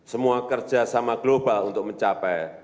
semua kerjasama global untuk mencapai